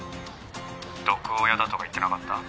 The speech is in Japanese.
☎毒親だとか言ってなかった？